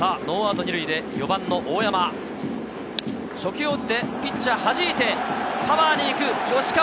４番の大山、初球を打って、ピッチャーはじいて、カバーに行く、吉川。